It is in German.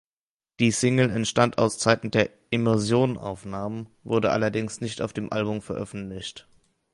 Die Single entstand aus Zeiten der "Immersion"-Aufnahmen, wurde allerdings nicht auf dem Album veröffentlicht.